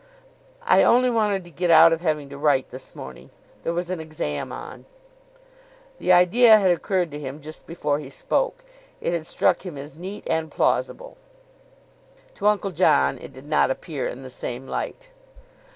"I only wanted to get out of having to write this morning. There was an exam, on." The idea had occurred to him just before he spoke. It had struck him as neat and plausible. To Uncle John it did not appear in the same light.